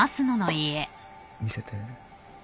見せて。